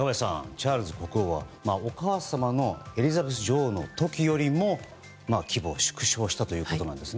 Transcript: チャールズ国王はお母様のエリザベス女王の時よりも規模を縮小したということです。